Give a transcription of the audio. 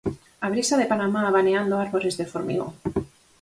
A brisa de Panamá abaneando árbores de formigón.